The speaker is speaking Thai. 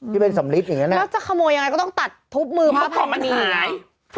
ที่เป็นสำลิดอย่างนี้นะแล้วจะขโมยอย่างไรก็ต้องตัดทุบมือพระอภัยมันนี่หรอ